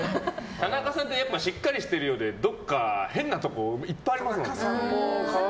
田中さんってやっぱりしっかりしてるようでどこか変なところいっぱいありますもんね。